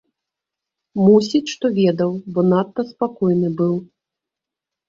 Мусіць, што ведаў, бо надта спакойны быў.